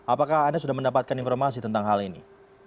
apakah anda sudah mendapatkan informasi tentang hal ini